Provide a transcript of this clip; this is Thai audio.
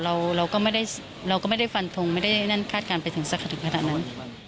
เราก็ไม่ได้ฝันทงไม่ได้นั่นคาดการณ์ไปถึงสักขนาดนั้น